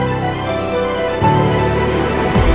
nggak pernah pernah luka oke